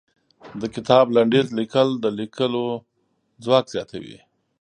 د کتاب لنډيز ليکل د ليکلو ځواک زياتوي.